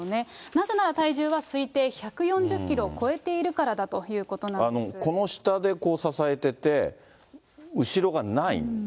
なぜなら体重は推定１４０キロを超えているからだということなんこの下で支えてて、後ろがな